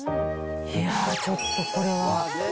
いやー、ちょっとこれは。